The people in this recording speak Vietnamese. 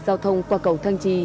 giao thông qua cầu thăng trì